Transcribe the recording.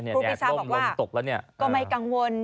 ครูปีชาบอกว่าก็ไม่กังวล